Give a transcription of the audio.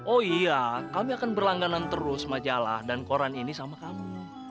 oh iya kami akan berlangganan terus majalah dan koran ini sama kamu